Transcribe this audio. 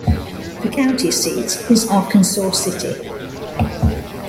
The county seat is Arkansas City.